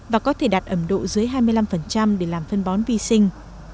và có thể đạt ẩm độ dưới hai mươi năm để làm phân bón vi sinh